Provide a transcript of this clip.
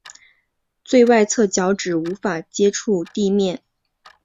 最外侧脚趾无法接触地面。